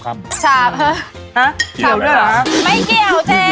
ทานเหรอไม่เกี่ยวเจ๊